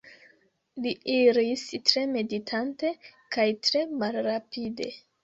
Li iris tre meditante kaj tre malrapide.